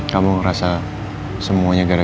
kamu ngerasa semuanya gara gara